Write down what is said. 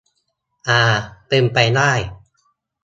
อา เป็นไปได้